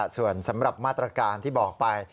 ส่วนสำหรับมาตรการที่บอกไป